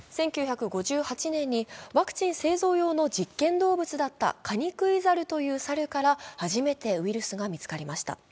１９５８年にワクチン製造用の実験動物だったカニクイザルという猿から初めてウイルスが見つかりました。